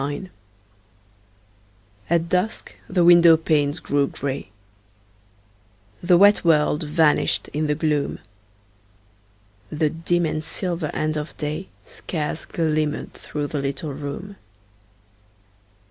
FORGIVENESS At dusk the window panes grew grey; The wet world vanished in the gloom; The dim and silver end of day Scarce glimmered through the little room.